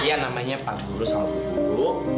ya namanya pak guru sama buku guru